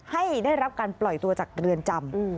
ให้ได้รับการปล่อยตัวจากเรือนจำ